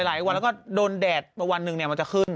แล้วก็โดนแดดวันหนึ่งมันจะขึ้น